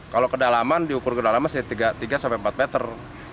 kalau kedalaman diukur kedalaman tiga sampai empat meter